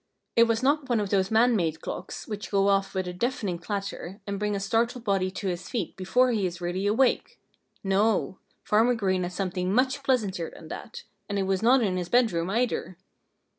It was not one of those man made clocks, which go off with a deafening clatter and bring a startled body to his feet before he is really awake. No! Farmer Green had something much pleasanter than that; and it was not in his bedroom, either.